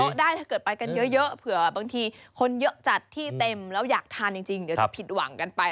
ได้ถ้าเกิดไปกันเยอะเผื่อบางทีคนเยอะจัดที่เต็มแล้วอยากทานจริงเดี๋ยวจะผิดหวังกันไป